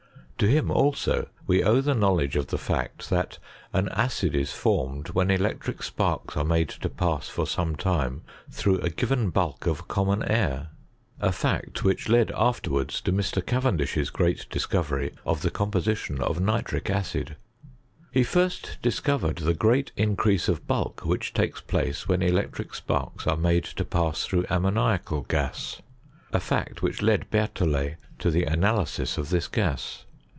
To him, also, we owe the knowledge of the fact, that an acid is formed when electric sparks are mode to pasa for gome time through a given bulk of common air; li CHeJBISTDT IN GREAT BRIT.IIN. 21 a fact which ied afterwarfa to Mr. Cavendish't great discovery of the compofiition of nitric acid He first discovi?red the great increase of biilk which takes place when electric sparks are made to pass through ammoniacal gas — a fact which led Berthdiet to the analysis of this gas.